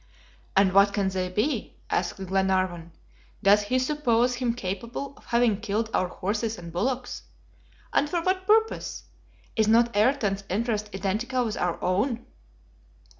"And what can they be?" asked Glenarvan. "Does he suppose him capable of having killed our horses and bullocks? And for what purpose? Is not Ayrton's interest identical with our own?"